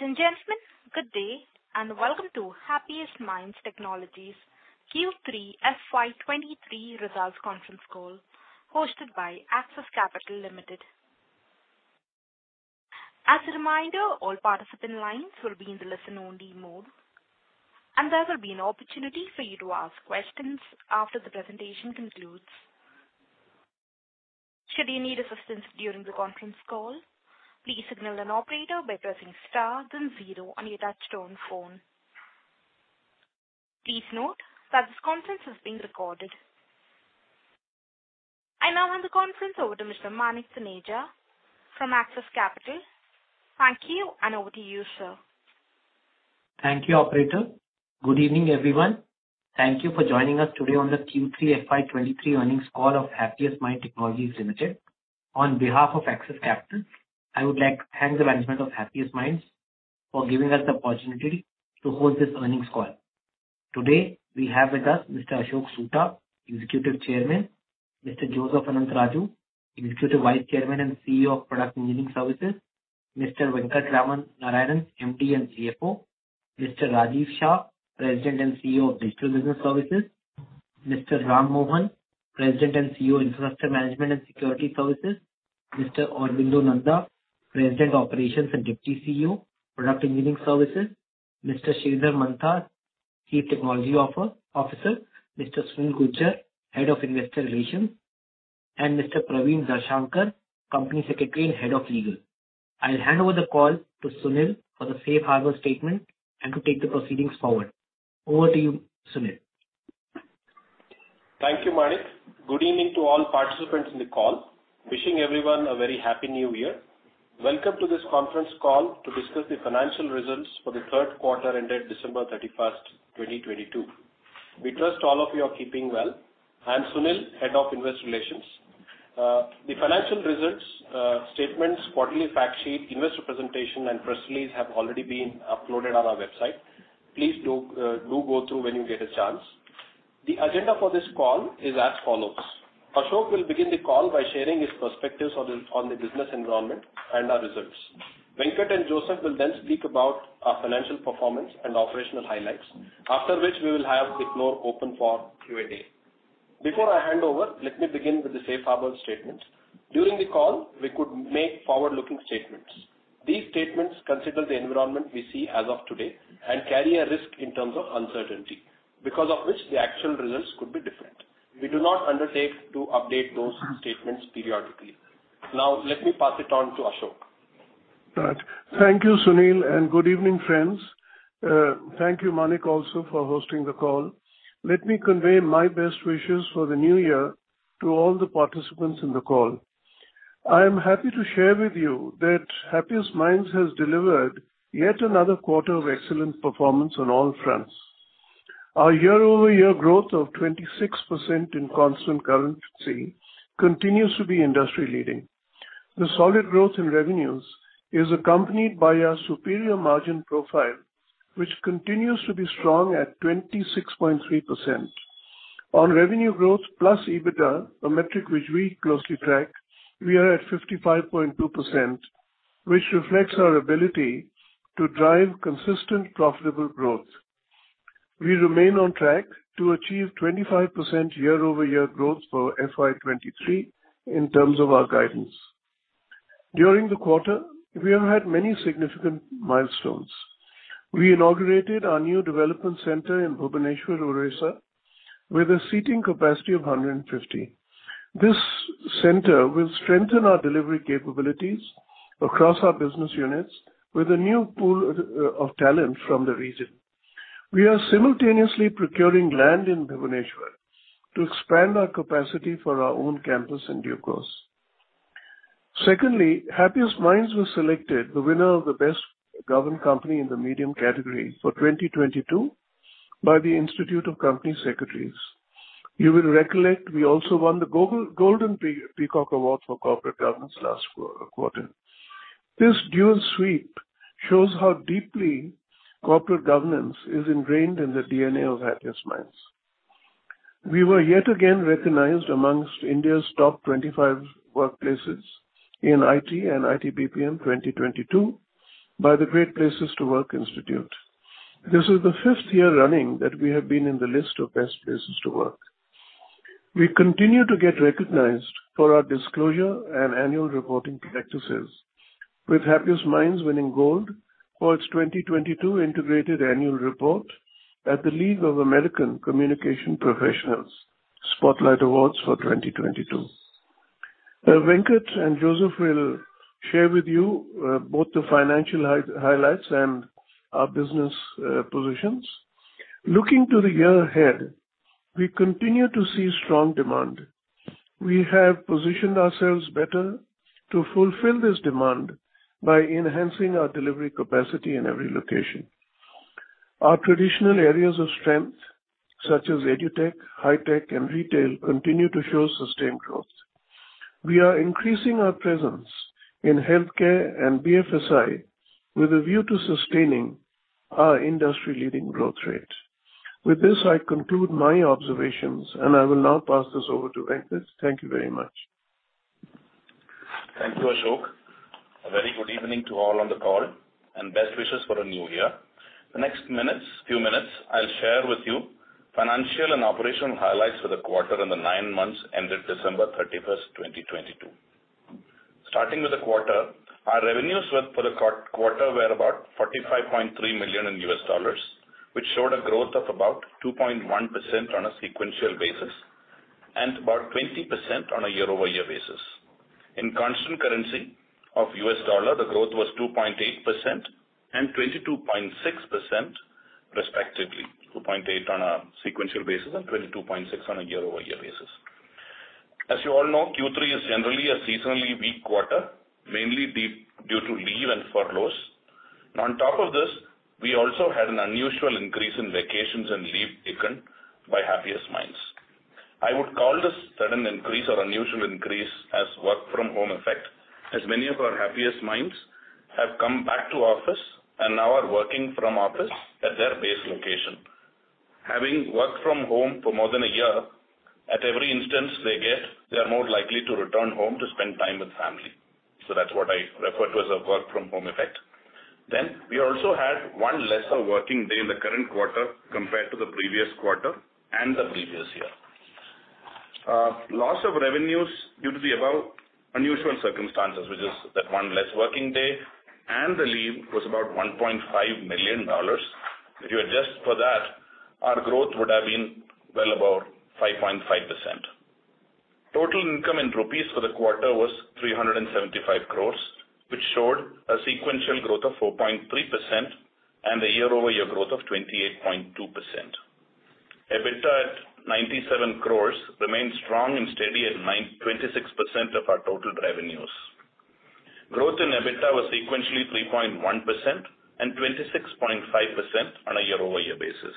Ladies and gentlemen, good day and welcome to Happiest Minds Technologies Q3 FY23 results conference call hosted by Axis Capital Limited. As a reminder, all participant lines will be in the listen-only mode, and there will be an opportunity for you to ask questions after the presentation concludes. Should you need assistance during the conference call, please signal an operator by pressing star then zero on your touchtone phone. Please note that this conference is being recorded. I now hand the conference over to Mr. Manik Taneja from Axis Capital. Thank you, and over to you, sir. Thank you, operator. Good evening, everyone. Thank you for joining us today on the Q3 FY23 earnings call of Happiest Minds Technologies Limited. On behalf of Axis Capital, I would like to thank the management of Happiest Minds for giving us the opportunity to hold this earnings call. Today we have with us Mr. Ashok Soota, Executive Chairman, Mr. Joseph Anantharaju, Executive Vice Chairman and CEO, Product Engineering Services, Mr. Venkatraman Narayanan, MD and CFO, Mr. Rajiv Shah, President and CEO, Digital Business Services, Mr. Ram Mohan, President and CEO, Infrastructure Management and Security Services, Mr. Aurobinda Nanda, President, Operations, and Deputy CEO, Product Engineering Services, Mr. Sridhar Mantha, Chief Technology Officer, Mr. Sunil Gujjar, Head of Investor Relations, and Mr. Praveen Dashankar, Company Secretary and Head of Legal. I'll hand over the call to Sunil for the safe harbor statement and to take the proceedings forward. Over to you, Sunil. Thank you, Manik. Good evening to all participants in the call. Wishing everyone a very happy New Year. Welcome to this conference call to discuss the financial results for the third quarter ended December 31st, 2022. We trust all of you are keeping well. I'm Sunil, Head of Investor Relations. The financial results, statements, quarterly fact sheet, investor presentation, and press release have already been uploaded on our website. Please do go through when you get a chance. The agenda for this call is as follows. Ashok will begin the call by sharing his perspectives on the business environment and our results. Venkat and Joseph will then speak about our financial performance and operational highlights, after which we will have the floor open for Q&A. Before I hand over, let me begin with the safe harbor statement. During the call, we could make forward-looking statements. These statements consider the environment we see as of today and carry a risk in terms of uncertainty, because of which the actual results could be different. We do not undertake to update those statements periodically. Now let me pass it on to Ashok. All right. Thank you, Sunil. Good evening, friends. Thank you, Manik, also for hosting the call. Let me convey my best wishes for the new year to all the participants in the call. I am happy to share with you that Happiest Minds has delivered yet another quarter of excellent performance on all fronts. Our year-over-year growth of 26% in constant currency continues to be industry-leading. The solid growth in revenues is accompanied by a superior margin profile, which continues to be strong at 26.3%. On revenue growth plus EBITDA, a metric which we closely track, we are at 55.2%, which reflects our ability to drive consistent profitable growth. We remain on track to achieve 25% year-over-year growth for FY 2023 in terms of our guidance. During the quarter, we have had many significant milestones. We inaugurated our new development center in Bhubaneswar, Odisha, with a seating capacity of 150. This center will strengthen our delivery capabilities across our business units with a new pool of talent from the region. We are simultaneously procuring land in Bhubaneswar to expand our capacity for our own campus in due course. Happiest Minds was selected the winner of the Best Governed Company in the medium category for 2022 by the Institute of Company Secretaries. You will recollect we also won the Golden Peacock Award for corporate governance last quarter. This dual sweep shows how deeply corporate governance is ingrained in the DNA of Happiest Minds. We were yet again recognized amongst India's top 25 workplaces in IT and IT BPM 2022 by the Great Place to Work Institute. This is the fifth year running that we have been in the list of best places to work. We continue to get recognized for our disclosure and annual reporting practices, with Happiest Minds winning gold for its 2022 integrated annual report at the League of American Communications Professionals Spotlight Awards for 2022. Venkat and Joseph will share with you both the financial highlights and our business positions. Looking to the year ahead, we continue to see strong demand. We have positioned ourselves better to fulfill this demand by enhancing our delivery capacity in every location. Our traditional areas of strength, such as EdTech, high-tech, and retail continue to show sustained growth. We are increasing our presence in healthcare and BFSI with a view to sustaining our industry-leading growth rate. With this, I conclude my observations and I will now pass this over to Venkat. Thank you very much. Thank you, Ashok. A very good evening to all on the call. Best wishes for a new year. The next few minutes, I'll share with you financial and operational highlights for the quarter and the 9 months ended December 31st, 2022. Starting with the quarter, our revenues for the quarter were about $45.3 million, which showed a growth of about 2.1% on a sequential basis and about 20% on a year-over-year basis. In constant currency of US dollar, the growth was 2.8% and 22.6% respectively. 2.8 on a sequential basis and 22.6 on a year-over-year basis. As you all know, Q3 is generally a seasonally weak quarter, mainly due to leave and furloughs. On top of this, we also had an unusual increase in vacations and leave taken by Happiest Minds. I would call this sudden increase or unusual increase as work from home effect, as many of our Happiest Minds have come back to office and now are working from office at their base location. Having worked from home for more than a year, at every instance they get, they are more likely to return home to spend time with family. That's what I refer to as a work from home effect. We also had 1 lesser working day in the current quarter compared to the previous quarter and the previous year. Loss of revenues due to the above unusual circumstances, which is that one less working day, and the leave was about $1.5 million. If you adjust for that, our growth would have been well above 5.5%. Total income in INR for the quarter was 375 crores, which showed a sequential growth of 4.3% and a year-over-year growth of 28.2%. EBITDA at 97 crores remains strong and steady at 26% of our total revenues. Growth in EBITDA was sequentially 3.1% and 26.5% on a year-over-year basis.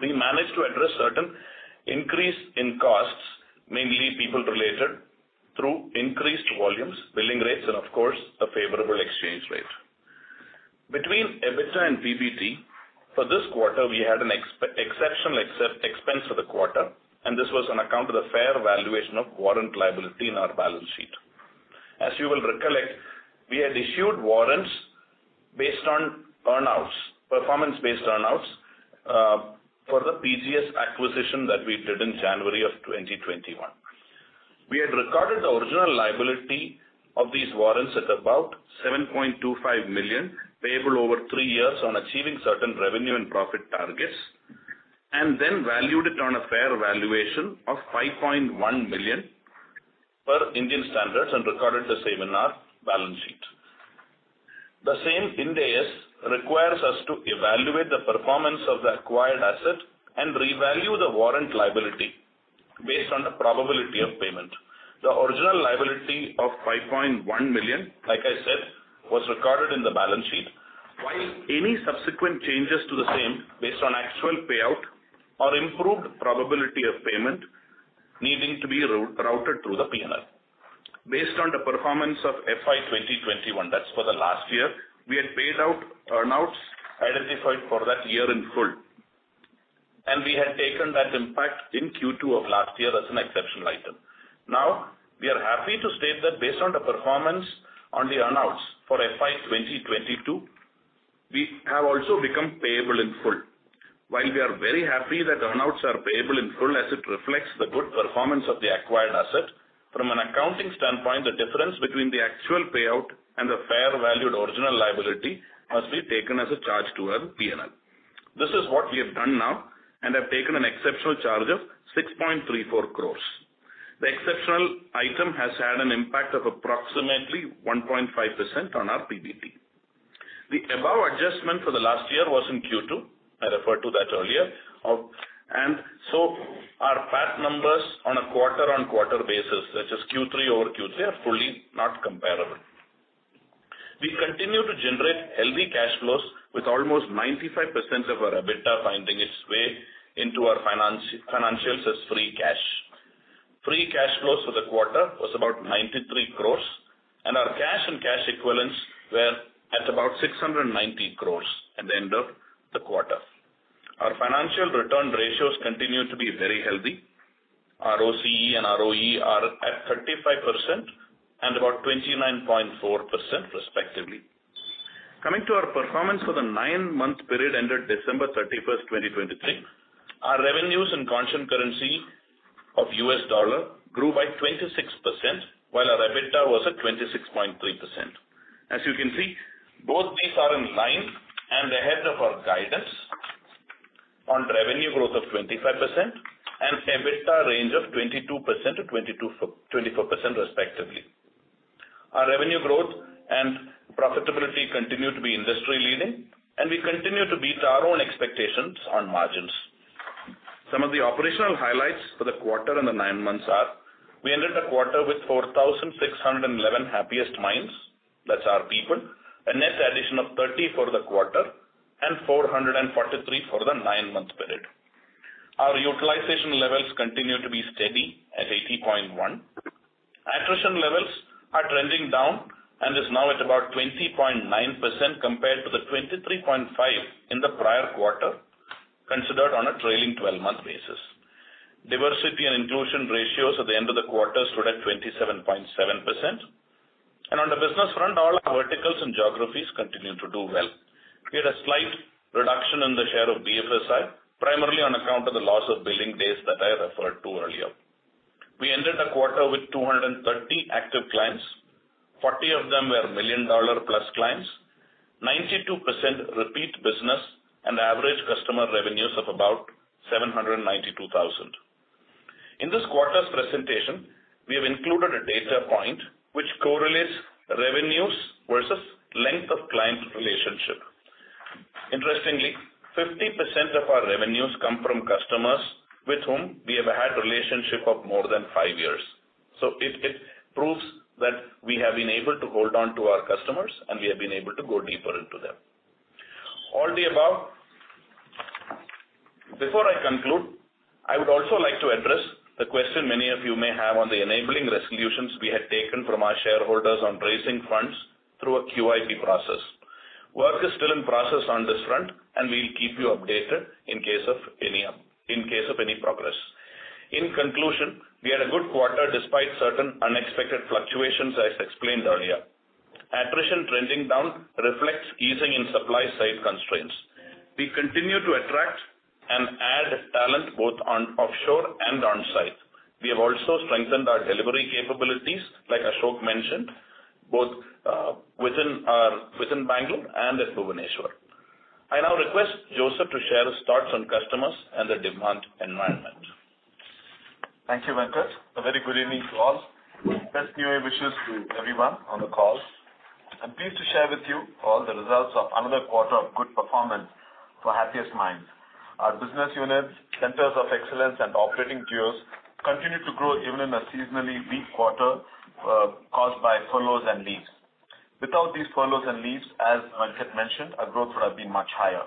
We managed to address certain increase in costs, mainly people related, through increased volumes, billing rates and of course a favorable exchange rate. Between EBITDA and PBT, for this quarter we had an exceptional expense for the quarter, this was on account of the fair valuation of warrant liability in our balance sheet. As you will recollect, we had issued warrants based on earn-outs, performance-based earn-outs, for the PGS acquisition that we did in January of 2021. We had recorded the original liability of these warrants at about 7.25 million, payable over three years on achieving certain revenue and profit targets, and then valued it on a fair valuation of 5.1 million per Indian standards and recorded the same in our balance sheet. The same Ind AS requires us to evaluate the performance of the acquired asset and revalue the warrant liability based on the probability of payment. The original liability of 5.1 million, like I said, was recorded in the balance sheet, while any subsequent changes to the same based on actual payout or improved probability of payment needing to be routed through the P&L. Based on the performance of FY 2021, that's for the last year, we had paid out earn-outs identified for that year in full. We had taken that impact in Q2 of last year as an exceptional item. We are happy to state that based on the performance on the earn-outs for FY 2022, we have also become payable in full. We are very happy that earn-outs are payable in full as it reflects the good performance of the acquired asset. From an accounting standpoint, the difference between the actual payout and the fair valued original liability has to be taken as a charge to our P&L. This is what we have done now and have taken an exceptional charge of 6.34 crores. The exceptional item has had an impact of approximately 1.5% on our PBT. The above adjustment for the last year was in Q2. I referred to that earlier. Our PAT numbers on a quarter-on-quarter basis, such as Q3 over Q3, are fully not comparable. We continue to generate healthy cash flows with almost 95% of our EBITDA finding its way into our financials as free cash. Free cash flows for the quarter was about 93 crores, and our cash and cash equivalents were at about 690 crores at the end of the quarter. Our financial return ratios continue to be very healthy. ROCE and ROE are at 35% and about 29.4% respectively. Coming to our performance for the nine-month period ended December 31st, 2023. Our revenues in constant currency of US dollar grew by 26%, while our EBITDA was at 26.3%. As you can see, both these are in line and ahead of our guidance on revenue growth of 25% and EBITDA range of 22%-24% respectively. Our revenue growth and profitability continue to be industry-leading, and we continue to beat our own expectations on margins. Some of the operational highlights for the quarter and the nine months are: we ended the quarter with 4,611 Happiest Minds, that's our people. A net addition of 30 for the quarter and 443 for the nine-month period. Our utilization levels continue to be steady at 80.1%. Attrition-Are trending down and is now at about 20.9% compared to the 23.5% in the prior quarter, considered on a trailing 12-month basis. Diversity and inclusion ratios at the end of the quarter stood at 27.7%. On the business front, all our verticals and geographies continue to do well. We had a slight reduction in the share of BFSI, primarily on account of the loss of billing days that I referred to earlier. We ended the quarter with 230 active clients. 40 of them were million dollar plus clients. 92% repeat business and average customer revenues of about $792,000. In this quarter's presentation, we have included a data point which correlates revenues versus length of client relationship. Interestingly, 50% of our revenues come from customers with whom we have had relationship of more than five years. It, it proves that we have been able to hold on to our customers and we have been able to go deeper into them. Before I conclude, I would also like to address the question many of you may have on the enabling resolutions we had taken from our shareholders on raising funds through a QIP process. Work is still in process on this front, and we'll keep you updated in case of any progress. In conclusion, we had a good quarter despite certain unexpected fluctuations, as explained earlier. Attrition trending down reflects easing in supply side constraints. We continue to attract and add talent both on offshore and on-site. We have also strengthened our delivery capabilities, like Ashok mentioned, both within Bangalore and at Bhubaneswar. I now request Joseph to share his thoughts on customers and the demand environment. Thank you, Venkat. A very good evening to all. Best new year wishes to everyone on the call. I am pleased to share with you all the results of another quarter of good performance for Happiest Minds. Our business units, centers of excellence and operating geos continue to grow even in a seasonally weak quarter, caused by furloughs and leaves. Without these furloughs and leaves, as Venkatesh mentioned, our growth would have been much higher.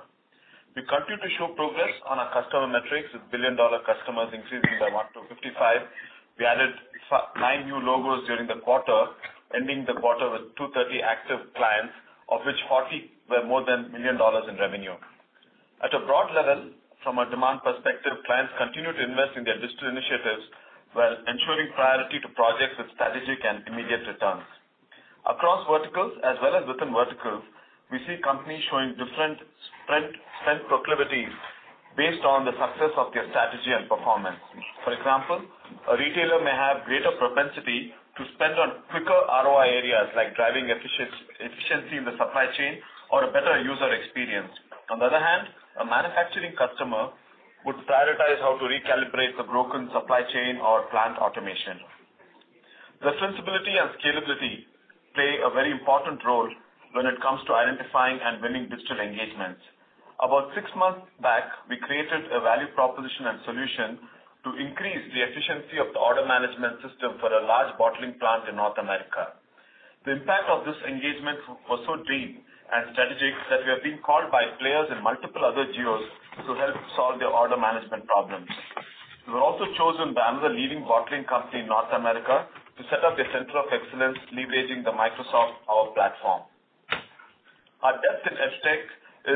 We continue to show progress on our customer metrics, with billion-dollar customers increasing by 1-55. We added nine new logos during the quarter, ending the quarter with 230 active clients, of which 40 were more than million dollars in revenue. At a broad level, from a demand perspective, clients continue to invest in their digital initiatives while ensuring priority to projects with strategic and immediate returns. Across verticals as well as within verticals, we see companies showing different spend proclivities based on the success of their strategy and performance. For example, a retailer may have greater propensity to spend on quicker ROI areas like driving efficiency in the supply chain or a better user experience. A manufacturing customer would prioritize how to recalibrate the broken supply chain or plant automation. Resilience ability and scalability play a very important role when it comes to identifying and winning digital engagements. About six months back, we created a value proposition and solution to increase the efficiency of the order management system for a large bottling plant in North America. The impact of this engagement was so deep and strategic that we have been called by players in multiple other geos to help solve their order management problems. We were also chosen by another leading bottling company in North America to set up a center of excellence leveraging the Microsoft Power Platform. Our depth in EdTech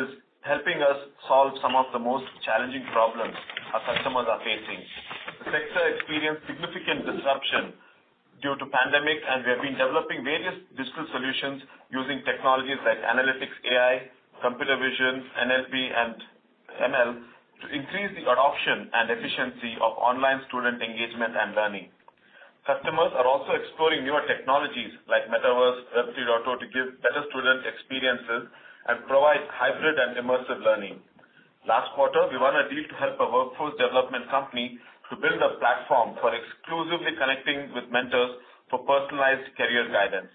is helping us solve some of the most challenging problems our customers are facing. The sector experienced significant disruption due to pandemic, and we have been developing various digital solutions using technologies like analytics, AI, computer vision, NLP and ML to increase the adoption and efficiency of online student engagement and learning. Customers are also exploring newer technologies like Metaverse Web 3.0 to give better student experiences and provide hybrid and immersive learning. Last quarter, we won a deal to help a workforce development company to build a platform for exclusively connecting with mentors for personalized career guidance.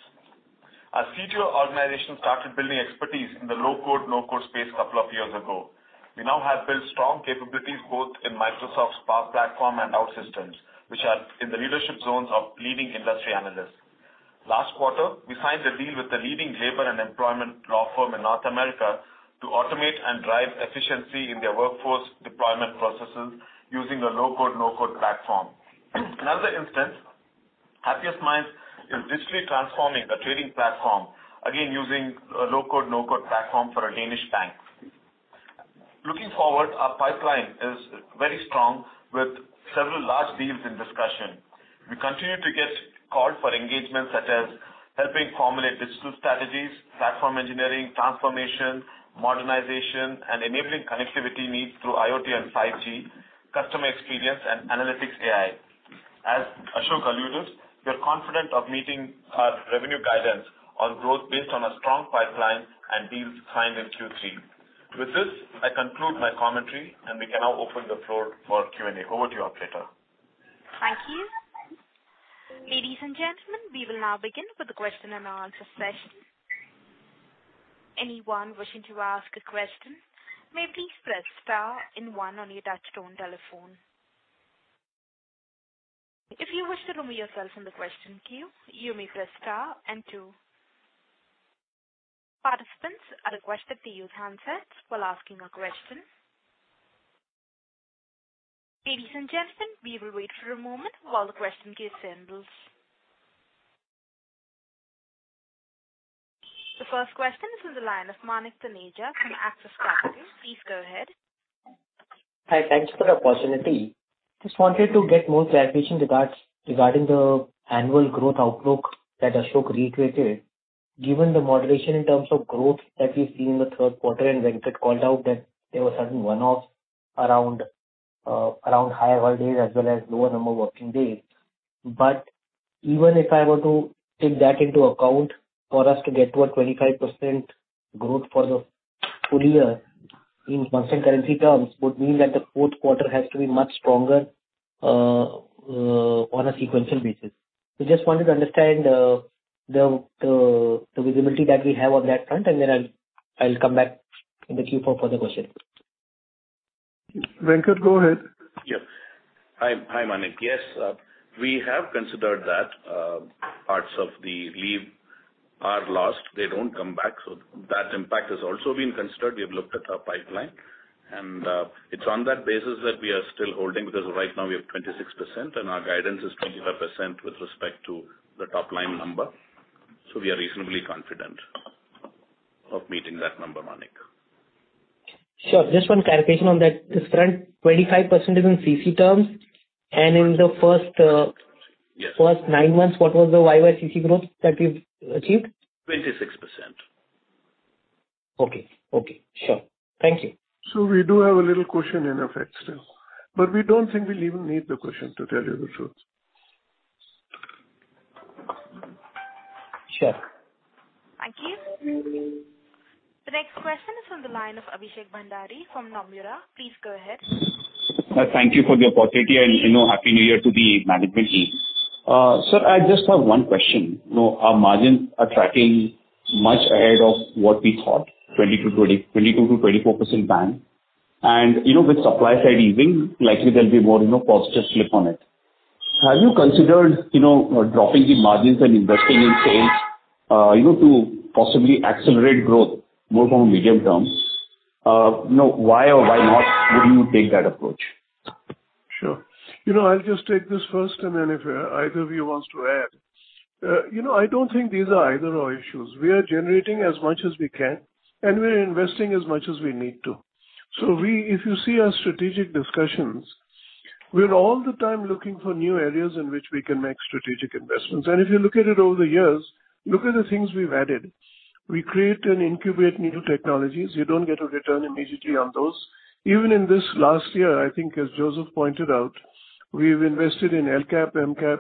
Our CTO organization started building expertise in the low-code/no-code space a couple of years ago. We now have built strong capabilities both in Microsoft Power Platform and OutSystems, which are in the leadership zones of leading industry analysts. Last quarter, we signed a deal with a leading labor and employment law firm in North America to automate and drive efficiency in their workforce deployment processes using a low-code/no-code platform. Another instance, Happiest Minds is digitally transforming a trading platform, again, using a low-code/no-code platform for a Danish bank. Looking forward, our pipeline is very strong with several large deals in discussion. We continue to get called for engagements such as helping formulate digital strategies, platform engineering, transformation, modernization and enabling connectivity needs through IoT and 5G, customer experience and analytics AI. As Ashok alluded, we are confident of meeting our revenue guidance on growth based on a strong pipeline and deals signed in Q3. With this, I conclude my commentary, and we can now open the floor for Q&A. Over to you, Operator. Thank you. Ladies and gentlemen, we will now begin with the question and answer session. Anyone wishing to ask a question may please press star and one on your touchtone telephone. If you wish to remove yourself from the question queue, you may press star and two. Participants are requested to use handsets while asking a question. Ladies and gentlemen, we will wait for a moment while the question queue sandals. The first question is on the line of Manik Taneja from Axis Capital. Please go ahead. Hi. Thanks for the opportunity. Just wanted to get more clarification regarding the annual growth outlook that Ashok recreated, given the moderation in terms of growth that we've seen in the third quarter, and Venkat called out that there were certain one-offs around higher holidays as well as lower number of working days. Even if I were to take that into account, for us to get to a 25% growth for the full year in constant currency terms would mean that the fourth quarter has to be much stronger on a sequential basis. We just wanted to understand the visibility that we have on that front, and then I'll come back in the queue for further questions. Venkat, go ahead. Yes. Hi. Hi, Manik. Yes. We have considered that, parts of the leave are lost. They don't come back, so that impact has also been considered. We have looked at our pipeline and, it's on that basis that we are still holding because right now we have 26% and our guidance is 25% with respect to the top line number. We are reasonably confident of meeting that number, Manik. Sure. Just one clarification on that. This current 25% is in CC terms, and in the first. Yes. -first nine months, what was the YY CC growth that we've achieved? 26%. Okay. Okay. Sure. Thank you. We do have a little cushion in effect still, but we don't think we'll even need the cushion, to tell you the truth. Sure. Thank you. The next question is on the line of Abhishek Bhandari from Nomura. Please go ahead. Thank you for the opportunity. You know, Happy New Year to the management team. Sir, I just have 1 question. You know, our margins are tracking much ahead of what we thought, 22%-24% band. You know, with supply side easing, likely there'll be more, you know, positive slip on it. Have you considered, you know, dropping the margins and investing in sales, you know, to possibly accelerate growth more from a medium term? You know, why or why not would you take that approach? Sure. You know, I'll just take this first, and then if either of you wants to add. You know, I don't think these are either/or issues. We are generating as much as we can, and we're investing as much as we need to. If you see our strategic discussions, we're all the time looking for new areas in which we can make strategic investments. If you look at it over the years, look at the things we've added. We create and incubate new technologies. You don't get a return immediately on those. Even in this last year, I think as Joseph pointed out, we've invested in LCAP, MXDP,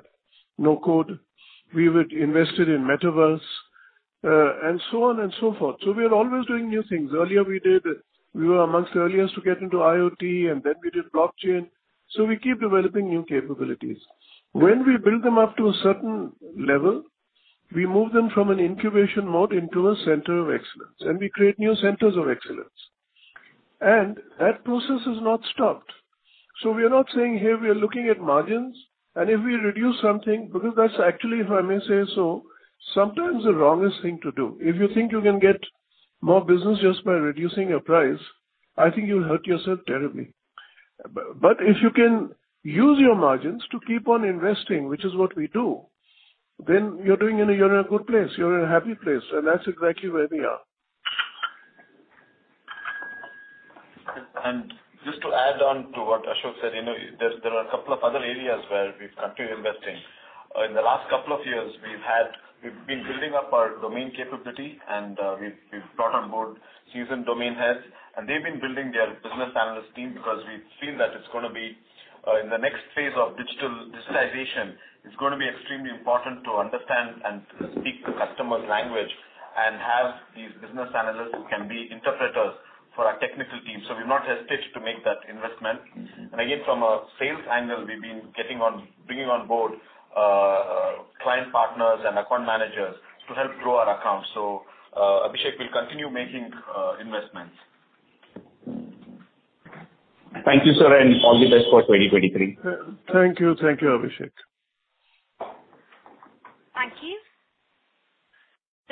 no-code. invested in Metaverse, and so on and so forth. We are always doing new things. Earlier we were amongst the earliest to get into IoT, and then we did blockchain. We keep developing new capabilities. When we build them up to a certain level, we move them from an incubation mode into a center of excellence, and we create new centers of excellence. That process has not stopped. We are not saying here we are looking at margins, and if we reduce something... Because that's actually, if I may say so, sometimes the wrongest thing to do. If you think you can get more business just by reducing your price, I think you'll hurt yourself terribly. But if you can use your margins to keep on investing, which is what we do, then you're in a good place, you're in a happy place, and that's exactly where we are. Just to add on to what Ashok said, you know, there are a couple of other areas where we've had to invest in. In the last couple of years we've been building up our domain capability and we've brought on board seasoned domain heads, and they've been building their business analyst team because we feel that it's gonna be in the next phase of digital digitization, it's gonna be extremely important to understand and speak the customer's language and have these business analysts who can be interpreters for our technical team. We've not hesitated to make that investment. Again, from a sales angle, we've been bringing on board client partners and account managers to help grow our accounts. Abhishek, we'll continue making investments. Thank you, sir, and all the best for 2023. Thank you. Thank you, Abhishek. Thank you.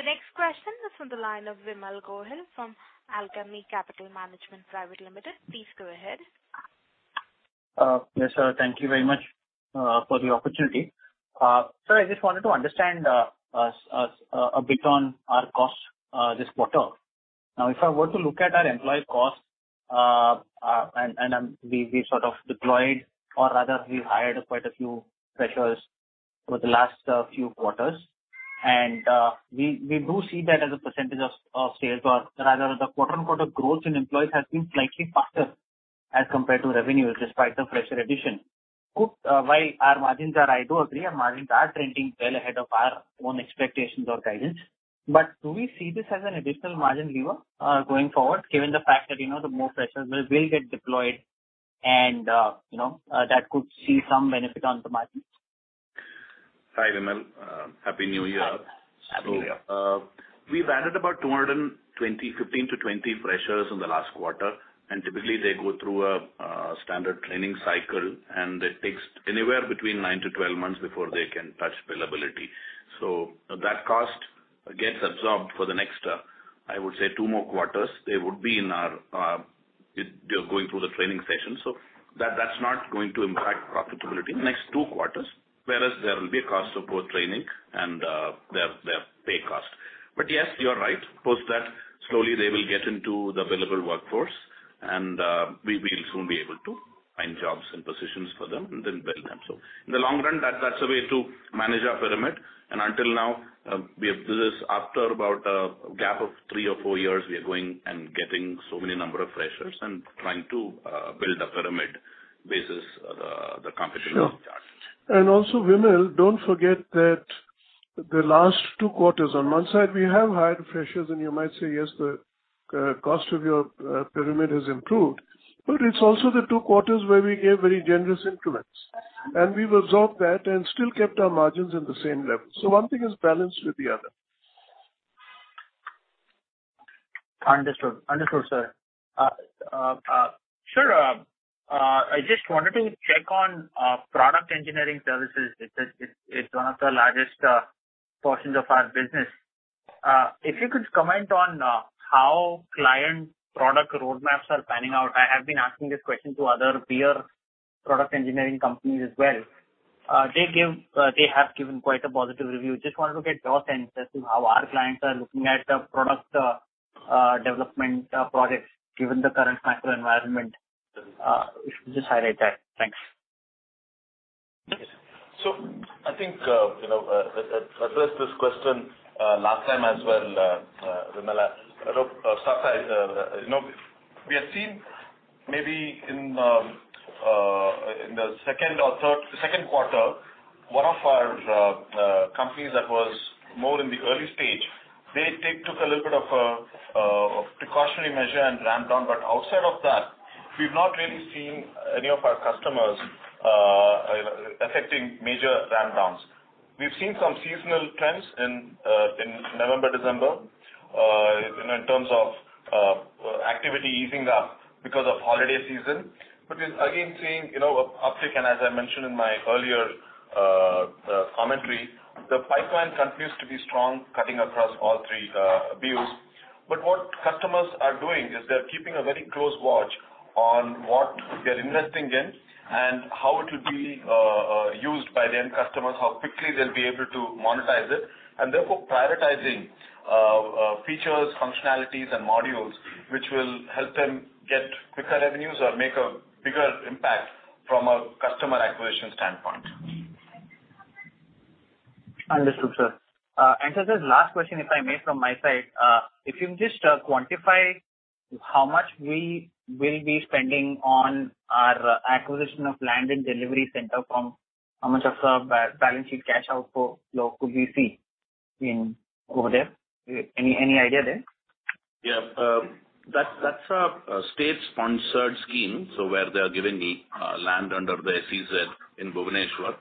The next question is on the line of Vimal Gohil from Alchemy Capital Management Private Limited. Please go ahead. Yes, sir. Thank you very much for the opportunity. Sir, I just wanted to understand a bit on our costs this quarter. If I were to look at our employee costs, and we sort of deployed or rather we hired quite a few freshers over the last few quarters. We do see that as a percentage of sales or rather the quarter-on-quarter growth in employees has been slightly faster as compared to revenues despite the fresher addition. While our margins I do agree our margins are trending well ahead of our own expectations or guidance, do we see this as an additional margin lever, going forward, given the fact that, you know, the more freshers will get deployed and, you know, that could see some benefit on the margins? Hi, Vimal. Happy New Year. Happy New Year. We've added about 220, 15-20 freshers in the last quarter, typically they go through a standard training cycle, and it takes anywhere between 9-12 months before they can touch billability. That cost gets absorbed for the next, I would say two more quarters. They would be in our, they're going through the training session. That's not going to impact profitability the next two quarters. Whereas there will be a cost of both training and their pay cost. Yes, you are right. Post that, slowly they will get into the available workforce and we'll soon be able to find jobs and positions for them, and then build them. In the long run, that's a way to manage our pyramid. Until now, we have... This is after about a gap of three or four years, we are going and getting so many number of freshers and trying to build a pyramid basis the competition. Sure. Also, Vimal, don't forget that the last two quarters, on one side we have hired freshers and you might say, yes, the cost of your pyramid has improved. It's also the two quarters where we gave very generous increments. We've absorbed that and still kept our margins at the same level. One thing is balanced with the other. Understood. Understood, sir. I just wanted to check on Product Engineering Services. It is, it's one of the largest portions of our business. If you could comment on how client product roadmaps are panning out. I have been asking this question to other peer Product Engineering Services companies as well. They have given quite a positive review. Just wanted to get your sense as to how our clients are looking at product development projects given the current macro environment. If you could just highlight that. Thanks. I think, you know, I addressed this question last time as well, Vimal. I don't Satya, you know, we have seen maybe in the second or third quarter, one of our companies that was more in the early stage, they took a little bit of precautionary measure and ramped down. Outside of that, we've not really seen any of our customers affecting major ramp downs. We've seen some seasonal trends in November, December, in terms of activity easing up because of holiday season. We're again seeing, you know, uptick. As I mentioned in my earlier commentary, the pipeline continues to be strong, cutting across all three views. What customers are doing is they're keeping a very close watch on what they're investing in and how it will be used by the end customers, how quickly they'll be able to monetize it, and therefore prioritizing features, functionalities, and modules which will help them get quicker revenues or make a bigger impact from a customer acquisition standpoint. Understood, sir. Sir, there's last question if I may from my side. If you just quantify how much we will be spending on our acquisition of land and delivery center from how much of the balance sheet cash outflow could we see in over there? Any idea there? Yeah. That's a state-sponsored scheme, so where they are giving me land under the SEZ in Bhubaneswar.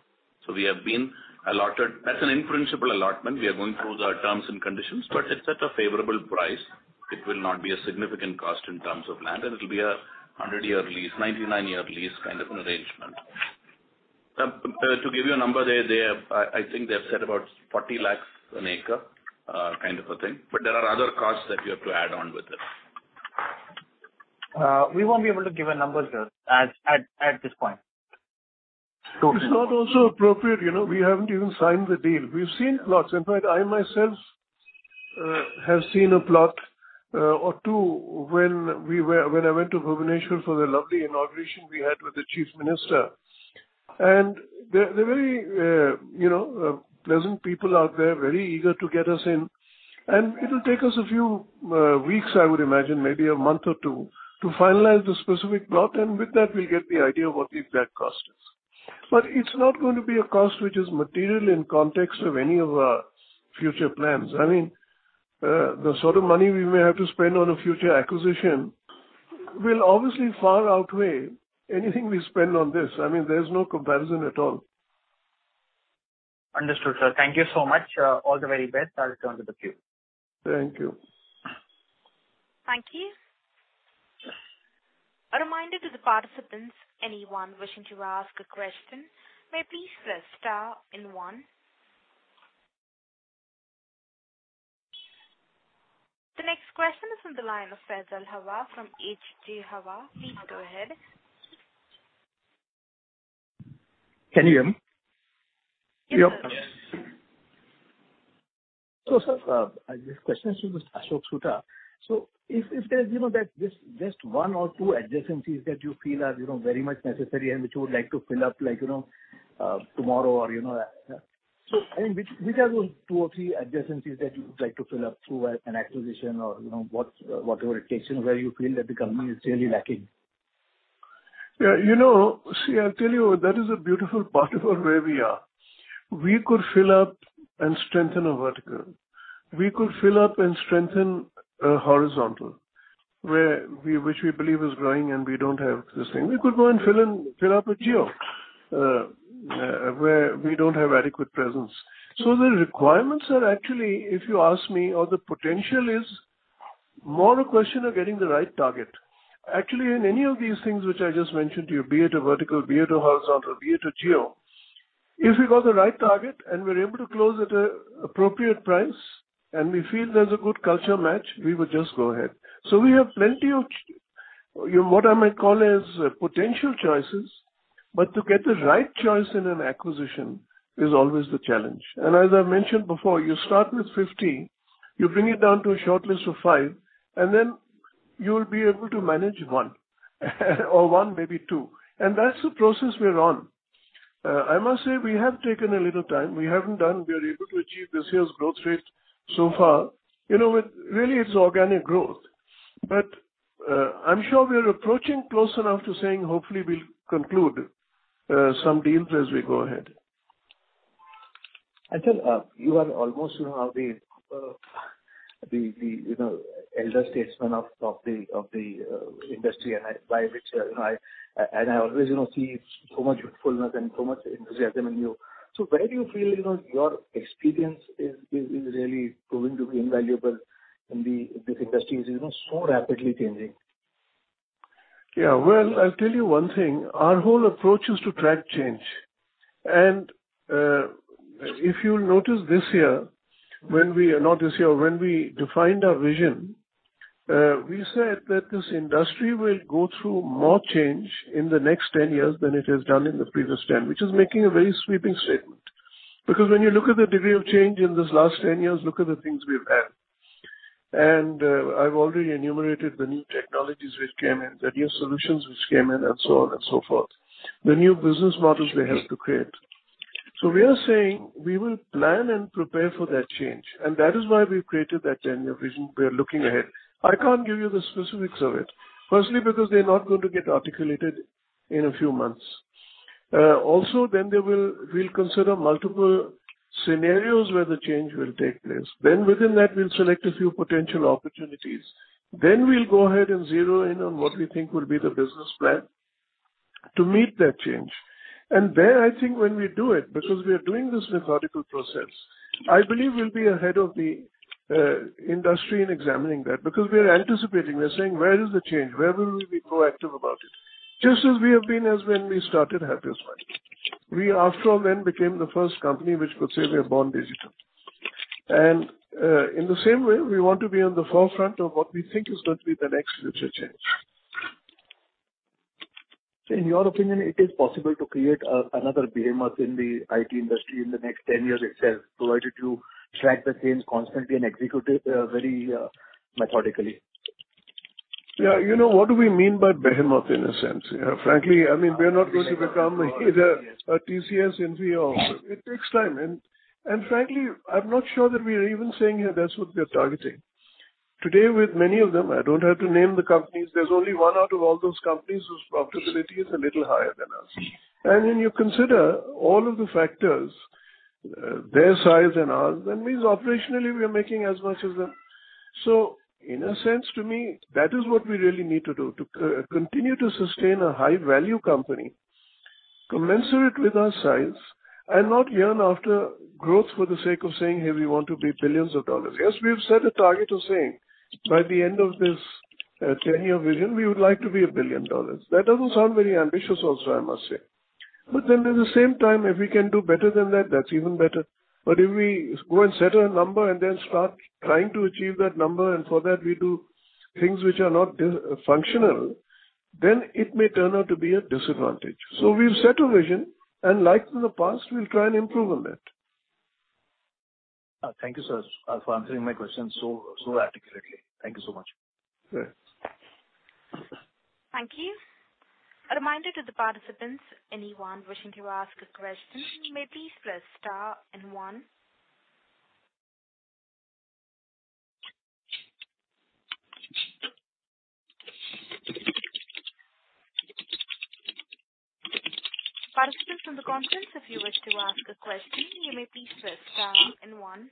We have been allotted... That's an in-principle allotment. We are going through the terms and conditions. It's at a favorable price. It will not be a significant cost in terms of land, and it'll be a 100-year lease, 99-year lease kind of an arrangement. To give you a number, they I think they've said about 40 lakhs an acre kind of a thing. There are other costs that you have to add on with it. We won't be able to give a number, sir, at, at this point. It's not also appropriate. You know, we haven't even signed the deal. We've seen plots. In fact, I myself have seen a plot or two when I went to Bhubaneswar for the lovely inauguration we had with the chief minister. They're very, you know, pleasant people out there, very eager to get us in. It'll take us a few weeks, I would imagine, maybe a month or two, to finalize the specific plot. With that we'll get the idea of what the exact cost is. It's not going to be a cost which is material in context of any of our future plans. I mean, the sort of money we may have to spend on a future acquisition will obviously far outweigh anything we spend on this. I mean, there's no comparison at all. Understood, sir. Thank you so much. All the very best. I'll return to the queue. Thank you. Thank you. A reminder to the participants, anyone wishing to ask a question, may please press star and one. The next question is on the line of Faisal Hawa from HJ Hawwa. Please go ahead. Can you hear me? Yep. Yes. Sir, this question is to Mr. Ashok Soota. If there's, you know, that just one or two adjacencies that you feel are, you know, very much necessary and which you would like to fill up, I mean, which are those two or three adjacencies that you would like to fill up through an acquisition or, you know, what, whatever it takes and where you feel that the company is really lacking? You know, see, I'll tell you, that is a beautiful part of where we are. We could fill up and strengthen a vertical. We could fill up and strengthen a horizontal which we believe is growing and we don't have this thing. We could go and fill up a geo where we don't have adequate presence. The requirements are actually, if you ask me, or the potential is more a question of getting the right target. In any of these things which I just mentioned to you, be it a vertical, be it a horizontal, be it a geo, if we got the right target and we're able to close at an appropriate price and we feel there's a good culture match, we would just go ahead. We have plenty of what I might call as potential choices. To get the right choice in an acquisition is always the challenge. As I mentioned before, you start with 50, you bring it down to a short list of five, and then you will be able to manage one or one, maybe two. That's the process we're on. I must say we have taken a little time. We are able to achieve this year's growth rate so far. You know, really it's organic growth. I'm sure we are approaching close enough to saying hopefully we'll conclude some deals as we go ahead. Anshul, you are almost, you know, the, you know, elder statesman of the industry. I always, you know, see so much youthfulness and so much enthusiasm in you. Where do you feel, you know, your experience is really proving to be invaluable in the, this industry is, you know, so rapidly changing? Yeah, well, I'll tell you one thing. If you notice this year, when we defined our vision, we said that this industry will go through more change in the next 10 years than it has done in the previous 10, which is making a very sweeping statement. When you look at the degree of change in this last 10 years, look at the things we've had. I've already enumerated the new technologies which came in, the new solutions which came in and so on and so forth, the new business models we have to create. We are saying we will plan and prepare for that change, and that is why we've created that 10-year vision. We are looking ahead. I can't give you the specifics of it, firstly, because they're not going to get articulated in a few months. Also, we'll consider multiple scenarios where the change will take place. Within that, we'll select a few potential opportunities. We'll go ahead and zero in on what we think will be the business plan to meet that change. There, I think when we do it, because we are doing this methodical process, I believe we'll be ahead of the industry in examining that because we are anticipating. We're saying, "Where is the change? Where will we be proactive about it?" Just as we have been as when we started Happiest Minds. We after all then became the first company which could say we are born digital. In the same way we want to be on the forefront of what we think is going to be the next future change. In your opinion, it is possible to create another behemoth in the IT industry in the next 10 years itself, provided you track the change constantly and execute it, very methodically. Yeah. You know, what do we mean by behemoth in a sense? You know, frankly, I mean, we're not going to become either a TCS, Info or... It takes time. Frankly, I'm not sure that we are even saying here that's what we are targeting. Today with many of them, I don't have to name the companies. There's only one out of all those companies whose profitability is a little higher than us. When you consider all of the factors, their size and ours, that means operationally we are making as much as them. In a sense to me, that is what we really need to do to continue to sustain a high value company commensurate with our size and not yearn after growth for the sake of saying, "Hey, we want to be $ billions." Yes, we have set a target of saying by the end of this 10-year vision, we would like to be $1 billion. That doesn't sound very ambitious also, I must say. At the same time, if we can do better than that's even better. If we go and set a number and then start trying to achieve that number, and for that we do things which are not functional, then it may turn out to be a disadvantage. We've set a vision, and like in the past, we'll try and improve on that. Thank you, sir, for answering my question so articulately. Thank you so much. Sure. Thank you. A reminder to the participants, anyone wishing to ask a question, you may please press star and one. Participants on the conference, if you wish to ask a question, you may please press star and one.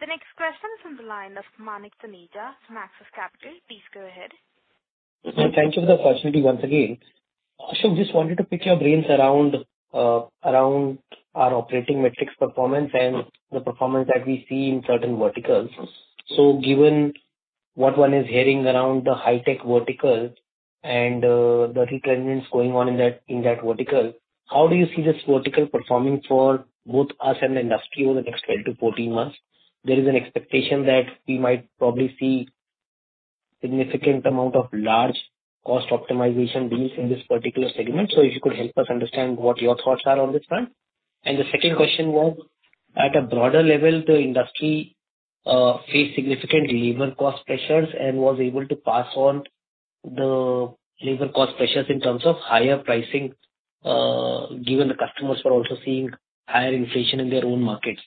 The next question is on the line of Manik Taneja from Axis Capital. Please go ahead. Thank you for the opportunity once again. Ashok, just wanted to pick your brains around our operating metrics performance and the performance that we see in certain verticals. Given what one is hearing around the high tech vertical and the retrenchments going on in that, in that vertical, how do you see this vertical performing for both us and the industry over the next 12-14 months? There is an expectation that we might probably see significant amount of large cost optimization deals in this particular segment. If you could help us understand what your thoughts are on this front. The second question was, at a broader level, the industry faced significant labor cost pressures and was able to pass on the labor cost pressures in terms of higher pricing, given the customers were also seeing higher inflation in their own markets.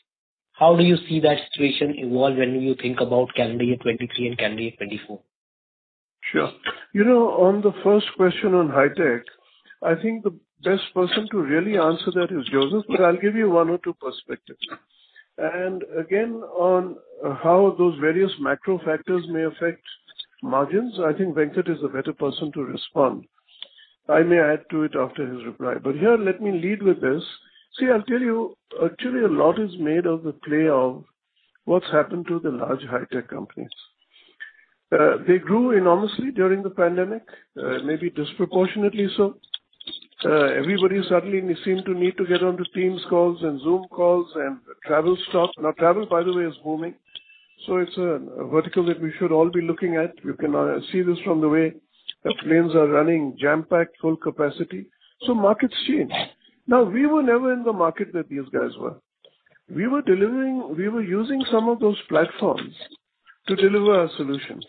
How do you see that situation evolve when you think about calendar year 2023 and calendar year 2024? Sure. You know, on the first question on high tech, I think the best person to really answer that is Joseph, but I'll give you one or two perspectives. Again, on how those various macro factors may affect margins, I think Venkat is the better person to respond. I may add to it after his reply. Here, let me lead with this. See, I'll tell you, actually, a lot is made of the play of what's happened to the large high-tech companies. They grew enormously during the pandemic, maybe disproportionately so. Everybody suddenly seemed to need to get on the Teams calls and Zoom calls and travel stopped. Travel, by the way, is booming. It's a vertical that we should all be looking at. You can, see this from the way the planes are running jam-packed, full capacity. Markets change. We were never in the market that these guys were. We were using some of those platforms to deliver our solutions.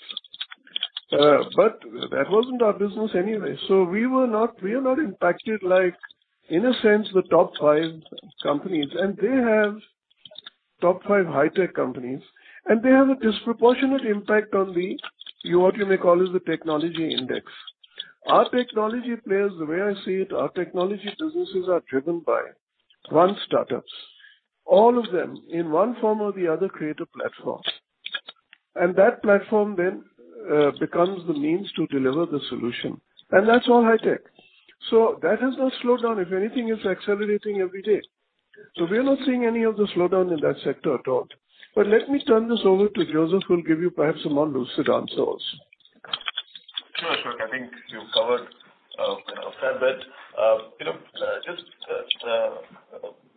That wasn't our business anyway. We are not impacted like, in a sense, the top five companies. They have Top five high-tech companies, they have a disproportionate impact on the what you may call is the technology index. Our technology plays, the way I see it, our technology businesses are driven by one, startups. All of them, in one form or the other, create a platform. That platform then becomes the means to deliver the solution, and that's all high-tech. That has not slowed down. If anything, it's accelerating every day. We are not seeing any of the slowdown in that sector at all. Let me turn this over to Joseph, who'll give you perhaps a more lucid answer also. Sure, Ashok. I think you've covered a fair bit. You know, just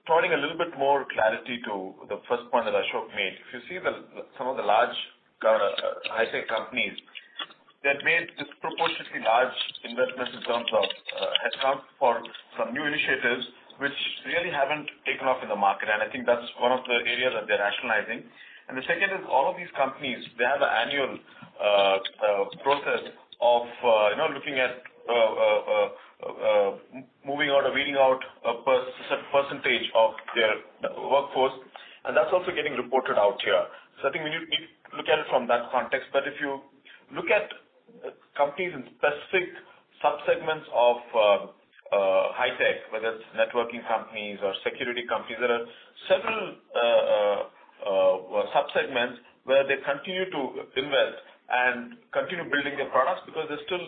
providing a little bit more clarity to the first point that Ashok made. If you see some of the large high-tech companies that made disproportionately large investments in terms of headcounts for some new initiatives which really haven't taken off in the market, and I think that's one of the areas that they're rationalizing. The second is all of these companies, they have an annual process of, you know, looking at moving out or weeding out a percentage of their workforce, and that's also getting reported out here. I think we need to look at it from that context. If you look at companies in specific subsegments of high-tech, whether it's networking companies or security companies, there are several subsegments where they continue to invest and continue building their products because there's still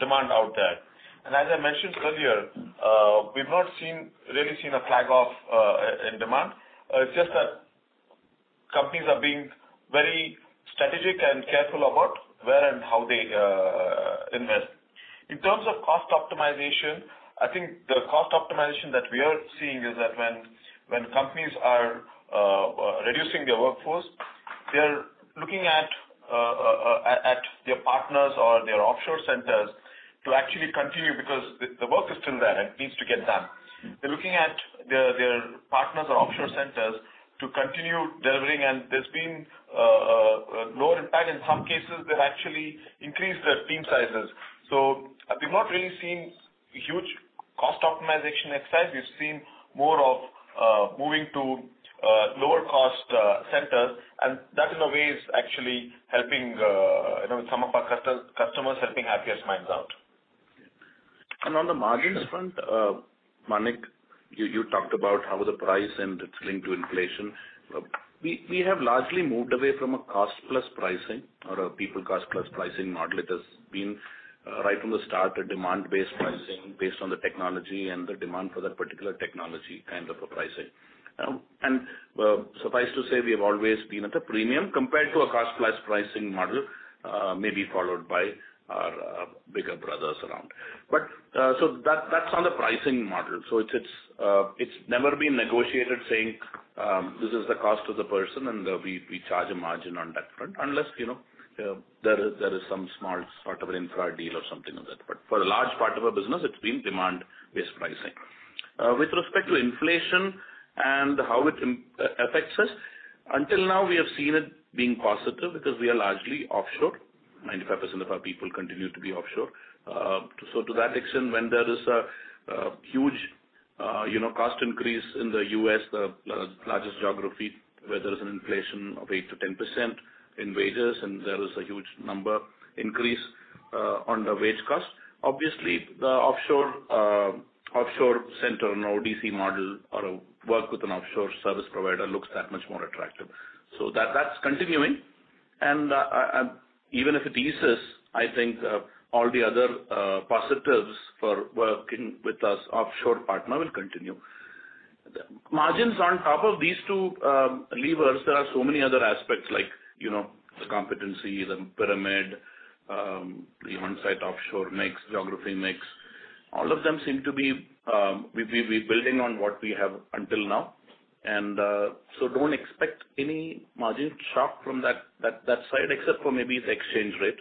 demand out there. As I mentioned earlier, we've not seen, really seen a flag off in demand. It's just that companies are being very strategic and careful about where and how they invest. In terms of cost optimization, I think the cost optimization that we are seeing is that when companies are reducing their workforce, they are looking at their partners or their offshore centers to actually continue because the work is still there and it needs to get done. They're looking at their partners or offshore centers to continue delivering. lower impact. In some cases, they've actually increased their team sizes. So we've not really seen huge cost optimization exercise. We've seen more of moving to lower cost centers, and that in a way is actually helping, you know, some of our customers, helping Happiest Minds out. On the margins front, Manik, you talked about how the price and it's linked to inflation. We have largely moved away from a cost-plus pricing or a people cost-plus pricing model. It has been right from the start, a demand-based pricing based on the technology and the demand for that particular technology kind of a pricing. Suffice to say, we have always been at a premium compared to a cost-plus pricing model, maybe followed by our bigger brothers around. That's on the pricing model. It's never been negotiated saying, this is the cost of the person, we charge a margin on that front unless, you know, there is some small sort of an infra deal or something of that. For a large part of our business, it's been demand-based pricing. With respect to inflation and how it affects us, until now, we have seen it being positive because we are largely offshore. 95% of our people continue to be offshore. To that extent, when there is a huge, you know, cost increase in the US, the largest geography where there is an inflation of 8%-10% in wages and there is a huge number increase on the wage cost. Obviously, the offshore offshore center and ODC model or work with an offshore service provider looks that much more attractive. That's continuing. Even if it eases, I think, all the other positives for working with us offshore partner will continue. Margins on top of these two levers, there are so many other aspects like, you know, the competency, the pyramid, the on-site offshore mix, geography mix. All of them seem to be we building on what we have until now. Don't expect any margin shock from that side except for maybe the exchange rate.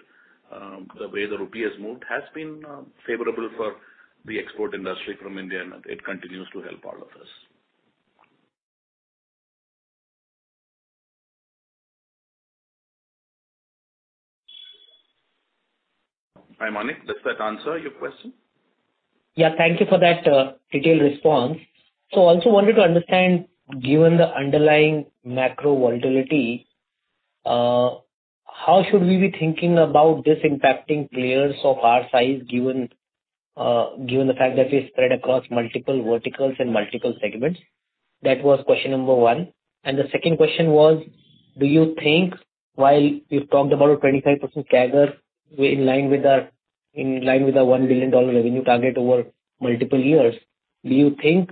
The way the rupee has moved has been favorable for the export industry from India, it continues to help all of us. Hi, Manik. Does that answer your question? Yeah. Thank you for that detailed response. Also wanted to understand, given the underlying macro volatility, how should we be thinking about this impacting players of our size, given the fact that we're spread across multiple verticals and multiple segments? That was question number 1. The second question was, do you think while you've talked about a 25% CAGR in line with our $1 billion revenue target over multiple years, do you think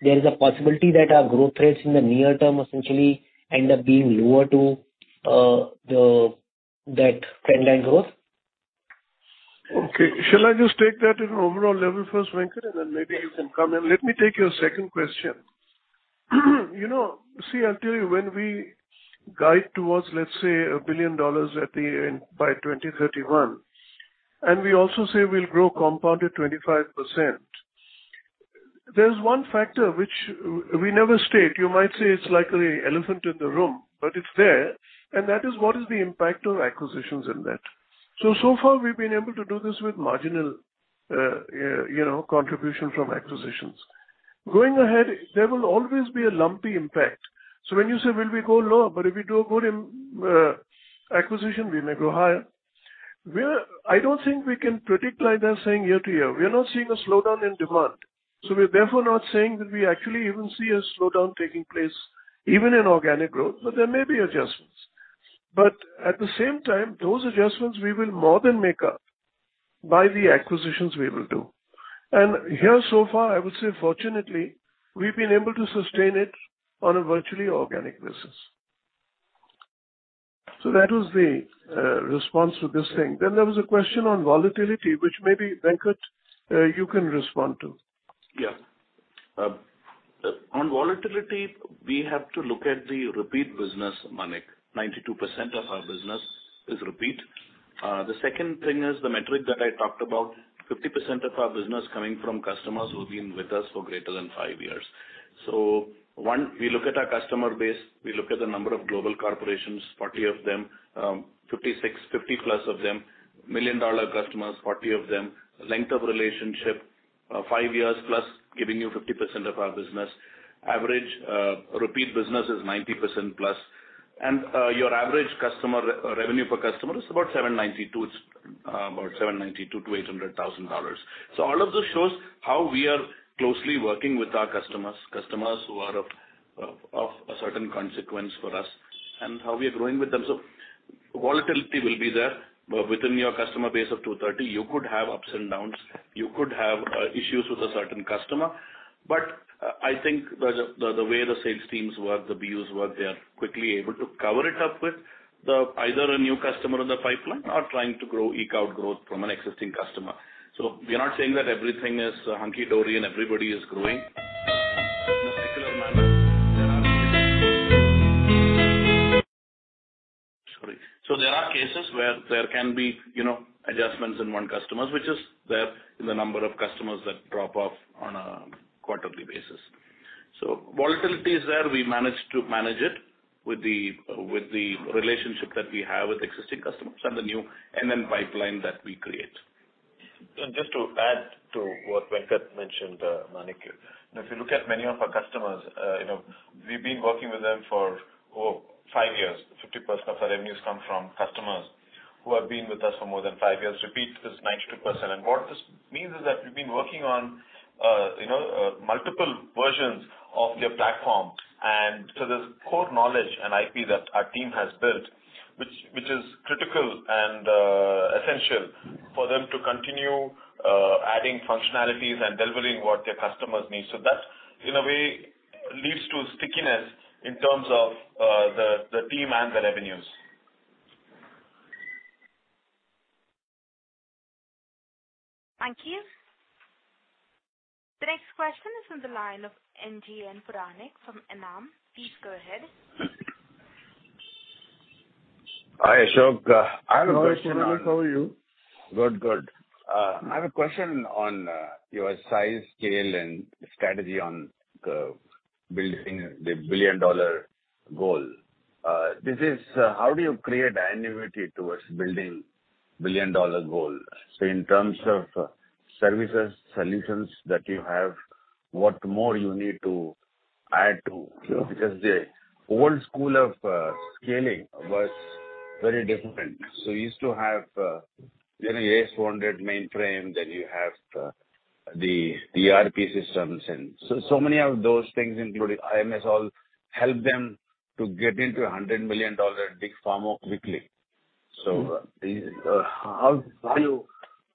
there is a possibility that our growth rates in the near term essentially end up being lower to that trend line growth? Okay. Shall I just take that at an overall level first, Venkat, and then maybe you can come in. Let me take your second question. You know, see, I'll tell you, when we guide towards, let's say, $1 billion at the end by 2031, and we also say we'll grow compounded 25%, there's one factor which we never state. You might say it's like the elephant in the room, but it's there. That is, what is the impact of acquisitions in that? So far we've been able to do this with marginal, you know, contribution from acquisitions. Going ahead, there will always be a lumpy impact. When you say, will we go lower, but if we do a good acquisition, we may go higher. I don't think we can predict like they're saying year to year. We are not seeing a slowdown in demand, so we're therefore not saying that we actually even see a slowdown taking place even in organic growth, but there may be adjustments. At the same time, those adjustments we will more than make up by the acquisitions we will do. Here, so far, I would say fortunately, we've been able to sustain it on a virtually organic basis. That was the response to this thing. There was a question on volatility, which maybe, Venkat, you can respond to. On volatility, we have to look at the repeat business, Manik. 92% of our business is repeat. The second thing is the metric that I talked about. 50% of our business coming from customers who've been with us for greater than five years. One, we look at our customer base, we look at the number of global corporations, 40 of them, 56, 50+ of them. Million-dollar customers, 40 of them. Length of relationship, five years+, giving you 50% of our business. Average repeat business is 90%+. Your average customer revenue per customer is about $792 thousand. It's about $792 thousand-$800 thousand. All of this shows how we are closely working with our customers who are of a certain consequence for us, and how we are growing with them. Volatility will be there. Within your customer base of 230, you could have ups and downs. You could have issues with a certain customer. I think the way the sales teams work, the BUs work, they are quickly able to cover it up with either a new customer in the pipeline or trying to grow, eke out growth from an existing customer. We are not saying that everything is hunky-dory and everybody is growing in a particular manner. There are cases. Sorry. There are cases where there can be, you know, adjustments in one customers, which is there in the number of customers that drop off on a quarterly basis. Volatility is there. We manage to manage it with the relationship that we have with existing customers and the new and then pipeline that we create. Just to add to what Venkat mentioned, Manik. If you look at many of our customers, you know, we've been working with them for five years. 50% of our revenues come from customers who have been with us for more than five years. Repeat business, 92%. What this means is that we've been working on, you know, multiple versions of their platform. So there's core knowledge and IP that our team has built, which is critical and essential for them to continue adding functionalities and delivering what their customers need. That, in a way, leads to stickiness in terms of the team and the revenues. Thank you. The next question is from the line of Naganand Puranik from Enam Holdings. Please go ahead. Hi, Ashok. I have a question. Hi, Puranik. How are you? Good. Good. I have a question on your size, scale, and strategy on building the billion-dollar goal. This is how do you create annuity towards building billion-dollar goal? In terms of services, solutions that you have, what more you need to add. Sure. The old school of scaling was very different. You used to have, you know, AS/400 mainframe, then you have the ERP systems. Many of those things, including IMS, all helped them to get into a $100 million big pharma quickly. Sure. How you...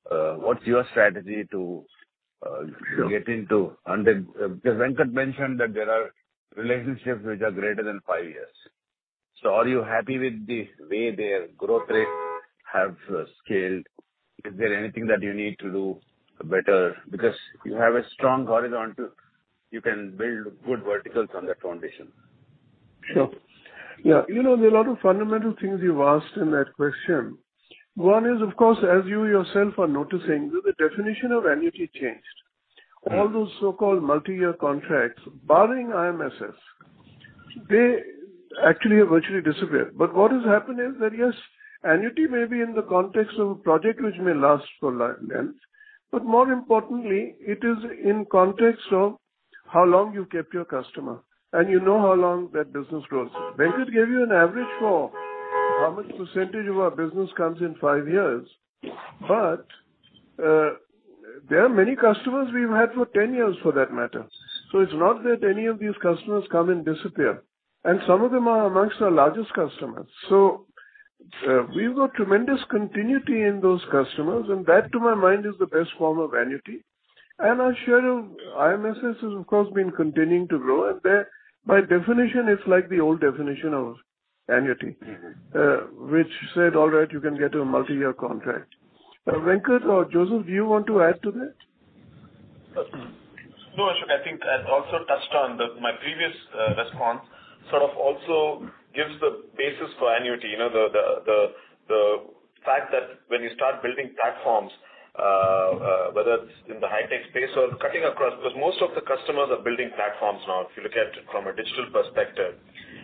What's your strategy to... Sure. Venkat mentioned that there are relationships which are greater than five years. Are you happy with the way their growth rate have scaled? Is there anything that you need to do better? You have a strong horizontal, you can build good verticals on that foundation. Sure. Yeah. You know, there are a lot of fundamental things you've asked in that question. One is, of course, as you yourself are noticing, the definition of annuity changed. Yeah. All those so-called multi-year contracts, barring IMS, they actually have virtually disappeared. What has happened is that, yes, annuity may be in the context of a project which may last for life length. More importantly, it is in context of how long you've kept your customer and you know how long that business grows. Venkat gave you an average for how much % of our business comes in five years. Yeah. There are many customers we've had for 10 years for that matter. It's not that any of these customers come and disappear, and some of them are amongst our largest customers. We've got tremendous continuity in those customers, and that, to my mind, is the best form of annuity. I'm sure IMS has, of course, been continuing to grow. There by definition, it's like the old definition of annuity. Mm-hmm. Which said, all right, you can get a multi-year contract. Venkat or Joseph, do you want to add to that? No, Ashok. I think I also touched on my previous response. Sort of also gives the basis for annuity. You know, the fact that when you start building platforms, whether it's in the high tech space or cutting across, because most of the customers are building platforms now, if you look at from a digital perspective.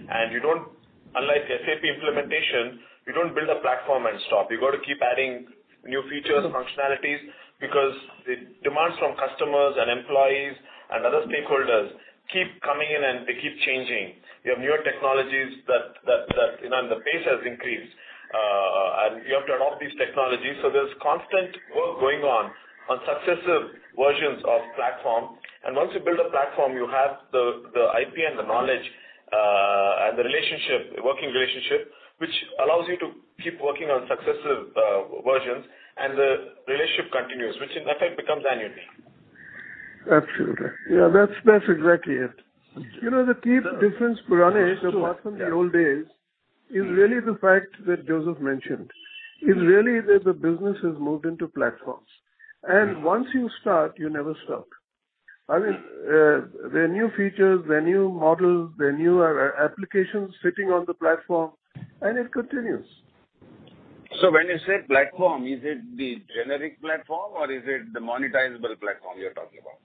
Unlike SAP implementation, you don't build a platform and stop. You got to keep adding new features, functionalities, because the demands from customers and employees and other stakeholders keep coming in, and they keep changing. You have newer technologies that, you know, and the pace has increased, and you have to adopt these technologies. There's constant work going on on successive versions of platform. Once you build a platform, you have the IP and the knowledge, and the relationship, working relationship, which allows you to keep working on successive versions. The relationship continues, which in effect becomes annuity. Absolutely. Yeah, that's exactly it. You know, the key difference, Puranik... Sure. Yeah. That happened in the old days is really the fact that Joseph mentioned. Mm-hmm. Is really that the business has moved into platforms. Once you start, you never stop. There are new features, there are new models, there are newer applications sitting on the platform, and it continues. When you say platform, is it the generic platform or is it the monetizable platform you're talking about?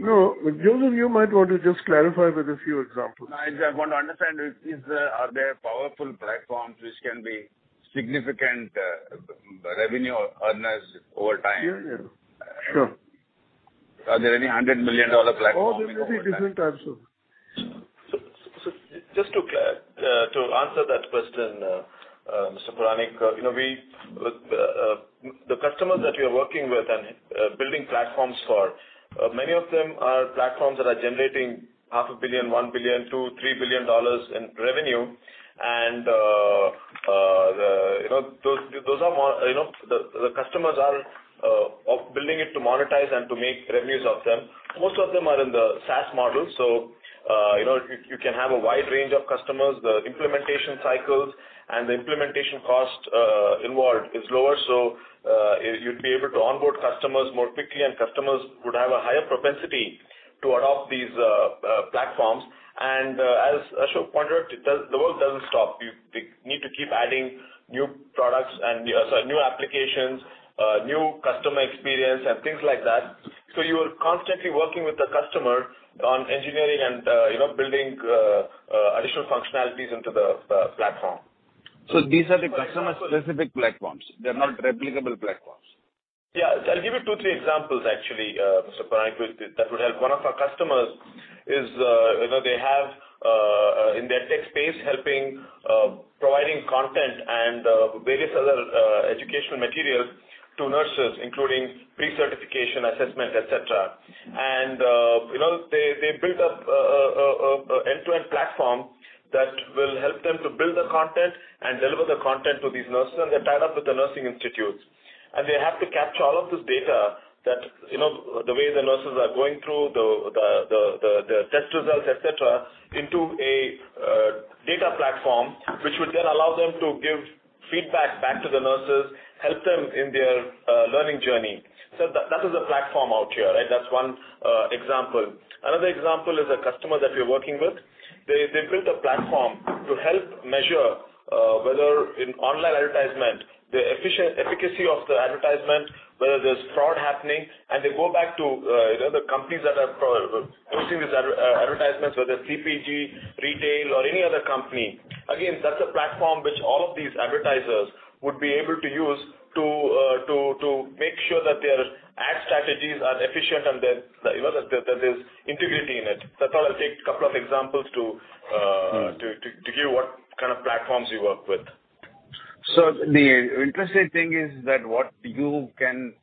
No. Joseph, you might want to just clarify with a few examples. I just want to understand is, are there powerful platforms which can be significant revenue earners over time? Yeah, yeah. Sure. Are there any $100 million platforms? Oh, there are many different types, sure. Just to answer that question, Mr. Puranik, you know, we, the customers that we are working with and building platforms for, many of them are platforms that are generating half a billion dollars, $1 billion, $2 billion-$3 billion in revenue. You know, the customers are building it to monetize and to make revenues of them. Most of them are in the SaaS model, you know, you can have a wide range of customers. The implementation cycles and the implementation cost involved is lower, you'd be able to onboard customers more quickly, and customers would have a higher propensity to adopt these platforms. As Ashok pointed out, the work doesn't stop. You need to keep adding new products and, sorry, new applications, new customer experience and things like that. You are constantly working with the customer on engineering and, you know, building, additional functionalities into the platform. These are the customer-specific platforms. They're not replicable platforms. Yeah. I'll give you two, three examples, actually, Mr. Puranik, that would help. One of our customers is, you know, they have in their tech space, helping providing content and various other educational materials to nurses, including pre-certification assessment, et cetera. You know, they build up a end-to-end platform that will help them to build the content and deliver the content to these nurses. They're tied up with the nursing institutes. They have to capture all of this data that, you know, the way the nurses are going through the test results, et cetera, into a data platform, which would then allow them to give feedback back to the nurses, help them in their learning journey. That is a platform out here, right? That's one example. Another example is a customer that we're working with. They built a platform to help measure whether in online advertisement, the efficacy of the advertisement, whether there's fraud happening. They go back to, you know, the companies that are hosting these advertisements, whether CPG, retail or any other company. That's a platform which all of these advertisers would be able to use to make sure that their ad strategies are efficient and there's, you know, that there's integrity in it. That's why I take a couple of examples to. Mm-hmm. To give you what kind of platforms we work with. The interesting thing is that what you can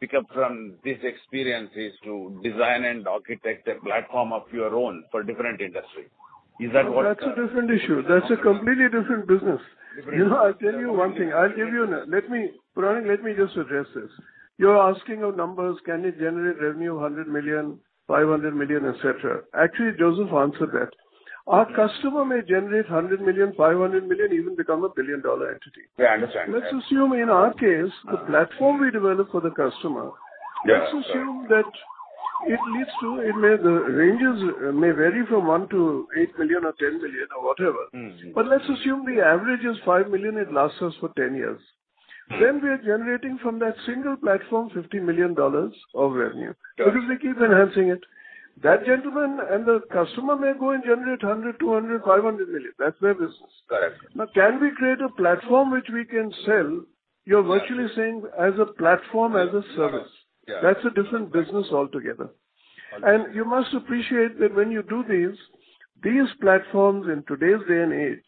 pick up from this experience is to design and architect a platform of your own for different industry. Is that? That's a different issue. That's a completely different business. Different. You know, I'll tell you one thing. Puranik, let me just address this. You're asking of numbers, can it generate revenue $100 million, $500 million, et cetera. Actually, Joseph answered that. Our customer may generate $100 million, $500 million, even become a $1 billion-dollar entity. Yeah, I understand. Let's assume in our case, the platform we develop for the customer- Yeah. Let's assume that it leads to It may, the ranges may vary from $1 million-$8 million or $10 million or whatever. Mm-hmm. Let's assume the average is 5 million. It lasts us for 10 years. Mm-hmm. We are generating from that single platform $50 million of revenue. Yeah. We keep enhancing it. That gentleman and the customer may go and generate 100 million, 200 million, 500 million. That's their business. Correct. Now, can we create a platform which we can sell? You're virtually saying as a platform, as a service. Yeah. That's a different business altogether. You must appreciate that when you do these platforms in today's day and age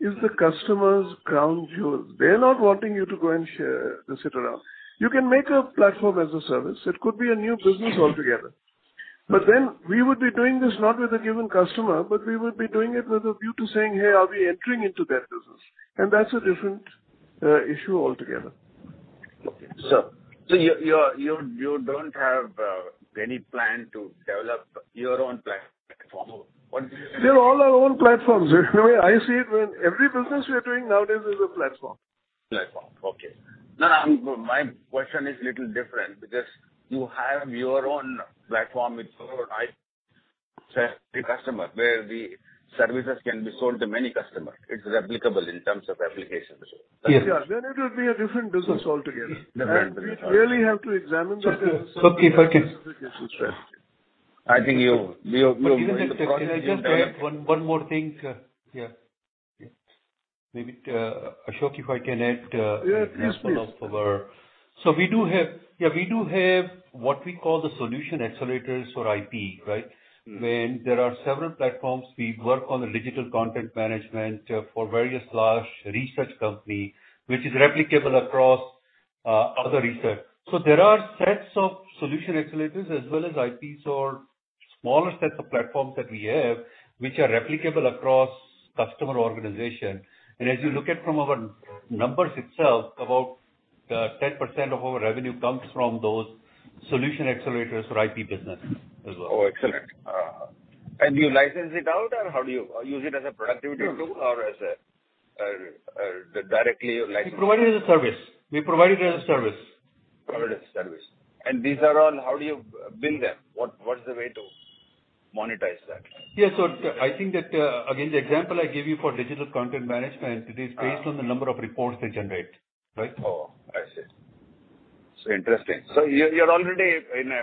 is the customer's crown jewel. They're not wanting you to go and share and sit around. You can make a platform as a service. It could be a new business altogether. We would be doing this not with a given customer, but we would be doing it with a view to saying, "Hey, are we entering into that business?" That's a different issue altogether. Okay. you don't have any plan to develop your own platform? They're all our own platforms. I see it when every business we are doing nowadays is a platform. Platform. Okay. My question is a little different because you have your own platform with your own IP. Say, the customer where the services can be sold to many customers. It's replicable in terms of applications. Yes. Yeah. It will be a different business altogether. Definitely. We really have to examine that. Okay. If I can... I think you. Even if I can just add one more thing, here. Maybe, Ashok, if I can add. Yes, yes, please. Yeah, we do have what we call the solution accelerators for IP, right? Mm-hmm. When there are several platforms, we work on the digital content management, for various large research company, which is replicable across other research. There are sets of solution accelerators as well as IPs or smaller sets of platforms that we have which are replicable across customer organization. As you look at from our numbers itself, about, 10% of our revenue comes from those solution accelerators for IP business as well. Oh, excellent. You license it out or how do you use it as a productivity tool or as a directly license? We provide it as a service. Provide it as service. How do you bill them? What is the way to monetize that? Yes. I think that, again, the example I gave you for digital content management, it is based on the number of reports they generate, right? Oh, I see. It's interesting. You're already in a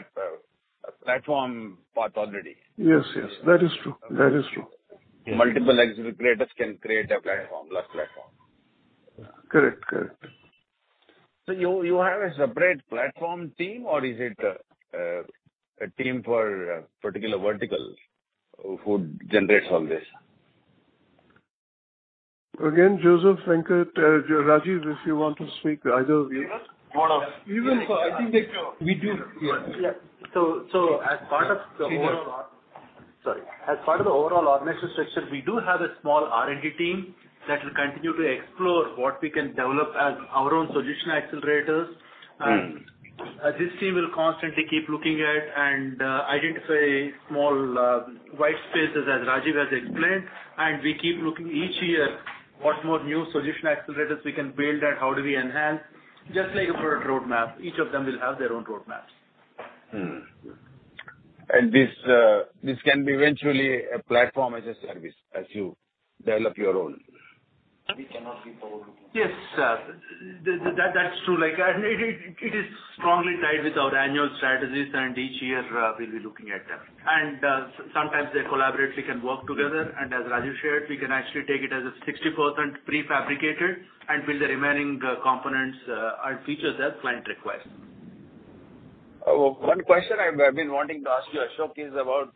platform path already. Yes. Yes. That is true. That is true. Multiple executive creators can create a platform, plus platform. Correct. Correct. You have a separate platform team or is it a team for particular verticals who generates all this? Again, Joseph, Venkat, Rajiv, if you want to speak, either of you. Even so I think that we do. Yes. Yeah. As part of the. Please go on. Sorry. As part of the overall organizational structure, we do have a small R&D team that will continue to explore what we can develop as our own solution accelerators. Mm-hmm. This team will constantly keep looking at and identify small white spaces, as Rajiv has explained. We keep looking each year what more new solution accelerators we can build and how do we enhance. Just like a product roadmap. Each of them will have their own roadmaps. This can be eventually a platform as a service as you develop your own. We cannot be forward-looking. Yes, that's true. Like, it is strongly tied with our annual strategies and each year, we'll be looking at them. Sometimes they collaborate, we can work together. As Rajiv shared, we can actually take it as a 60% prefabricated and build the remaining components and features as client request. One question I've been wanting to ask you, Ashok, is about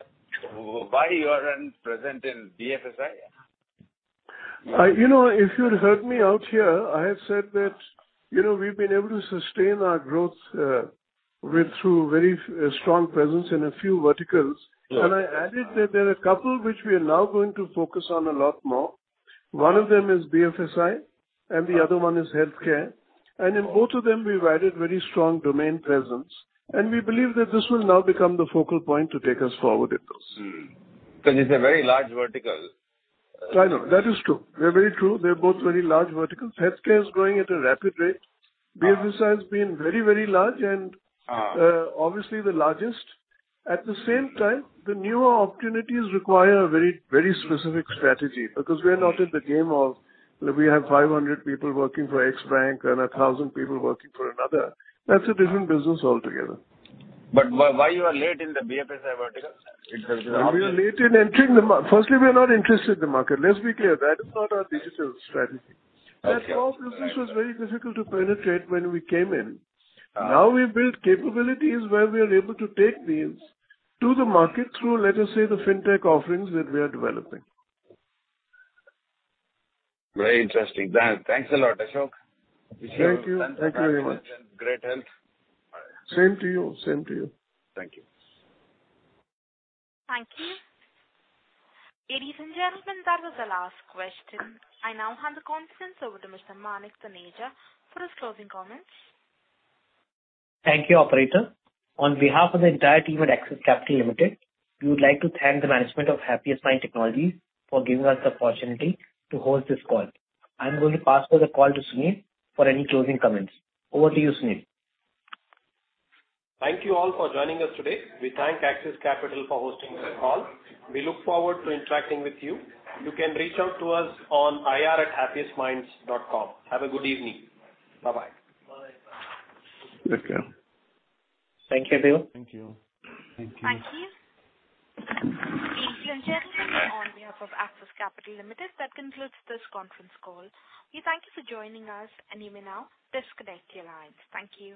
why you aren't present in BFSI. You know, if you heard me out here, I have said that, you know, we've been able to sustain our growth, through very strong presence in a few verticals. Yeah. I added that there are a couple which we are now going to focus on a lot more. One of them is BFSI and the other one is healthcare. In both of them we've added very strong domain presence, and we believe that this will now become the focal point to take us forward in those. Mm-hmm. Because it's a very large vertical. I know. That is true. Very true. They're both very large verticals. Healthcare is growing at a rapid rate. BFSI has been very, very large and- Ah. obviously the largest. At the same time, the newer opportunities require a very, very specific strategy because we are not in the game of we have 500 people working for X bank and 1,000 people working for another. That's a different business altogether. Why you are late in the BFSI vertical? Firstly, we are not interested in the market. Let's be clear. That is not our digital strategy. Okay. Core business was very difficult to penetrate when we came in. Ah. Now we've built capabilities where we are able to take these to the market through, let us say, the FinTech offerings that we are developing. Very interesting. Thanks a lot, Ashok. Thank you. Thank you very much. Wish you good luck and great health. Same to you. Same to you. Thank you. Thank you. Ladies and gentlemen, that was the last question. I now hand the conference over to Mr. Manik Thanawalla for his closing comments. Thank you, operator. On behalf of the entire team at Axis Capital Limited, we would like to thank the management of Happiest Minds Technologies for giving us the opportunity to host this call. I'm going to pass over the call to Sunil for any closing comments. Over to you, Sunil. Thank you all for joining us today. We thank Axis Capital for hosting this call. We look forward to interacting with you. You can reach out to us on Investors@happiestminds.com. Have a good evening. Bye-bye. Bye. Thank you. Thank you too. Thank you. Thank you. Thank you. Ladies and gentlemen, on behalf of Axis Capital Limited, that concludes this conference call. We thank you for joining us and you may now disconnect your lines. Thank you.